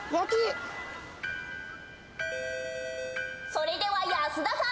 それでは安田さん。